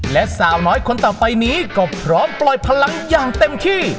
และสาวน้อยคนต่อไปนี้ก็พร้อมปล่อยพลังอย่างเต็มที่